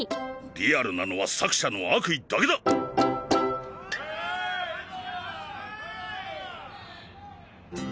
リアルなのは作者の悪意だけだっ！